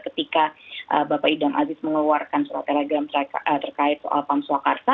ketika pakai bapak idham aziz mengeluarkan surat telegram terkait soal pamsuakarsa